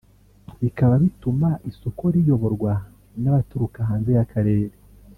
bikaba bituma isoko riyoborwa n’abaturuka hanze y’akarere